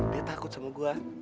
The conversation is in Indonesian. dia takut sama gua